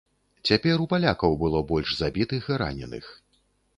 Цяпер у палякаў было больш забітых і раненых.